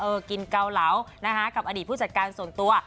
กินเกาเหลานะคะกับอดีตผู้จัดการส่วนตัว